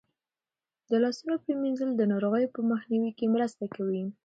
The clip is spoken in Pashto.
د لاسونو پریمنځل د ناروغیو په مخنیوي کې مرسته کوي.